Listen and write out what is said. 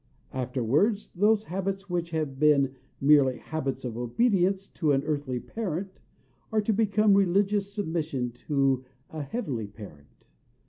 Afterwards, those habits which have been merely habits of obedience to an earthly parent, are to become religious submission to a heavenly parent.